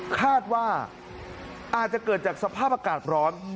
คาดว่าอาจจะเกิดจากสภาพอากาศร้อน